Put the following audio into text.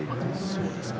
そうですか。